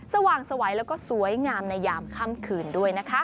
สว่างสวัยแล้วก็สวยงามในยามค่ำคืนด้วยนะคะ